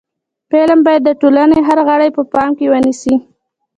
فلم باید د ټولنې هر غړی په پام کې ونیسي